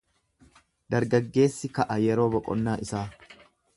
Dargaggeessi ka'a yeroo boqonnaa.